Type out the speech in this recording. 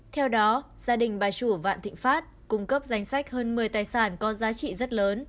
theo đó gia đình bà chủ vạn thịnh pháp cung cấp danh sách hơn một mươi tài sản có giá trị rất lớn